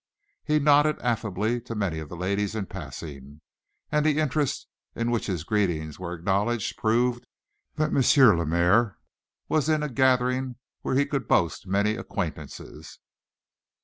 He nodded affably to many of the ladies in passing, and the interest with which his greetings were acknowledged proved that M. Lemaire was in a gathering where he could boast many acquaintances.